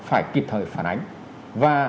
phải kịp thời phản ánh và